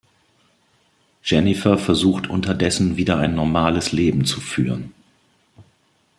Jennifer versucht unterdessen, wieder ein normales Leben zu führen.